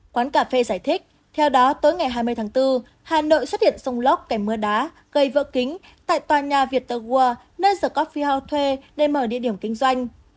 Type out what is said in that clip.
quán cà phê giải thích theo đó tới ngày hai mươi tháng bốn hà nội xuất hiện sông lóc kẻ mưa đá gây vỡ kính tại tòa nhà viettel world nơi the coffee house thuê để mở địa điểm kinh doanh